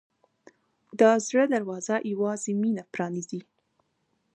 د زړه دروازه یوازې مینه پرانیزي.